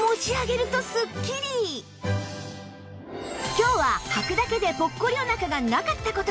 今日ははくだけでポッコリお腹がなかった事に